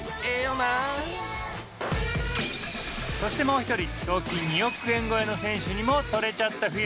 そしてもう１人賞金２億円超えの選手にも撮れちゃった！